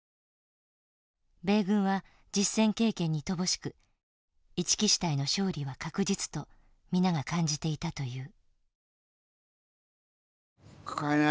米軍は実戦経験に乏しく一木支隊の勝利は確実と皆が感じていたという。